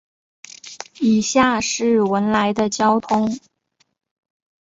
以下是文莱的交通